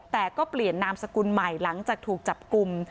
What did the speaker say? แต่ก็เปลี่ยนนามสกุลใหม่หลังจากถูกจับกลุ่ม